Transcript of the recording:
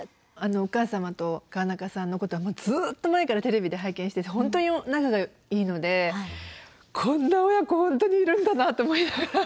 お母様と川中さんのことはずっと前からテレビで拝見してて本当に仲がいいのでこんな親子本当にいるんだなと思いながら。